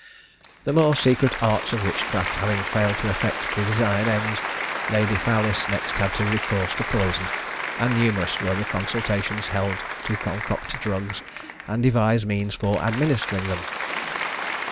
The more secret arts of witchcraft having failed to effect the desired ends, Lady Fowlis next had recourse to poison; and numerous were the consultations held to concoct drugs and devise means for administering them.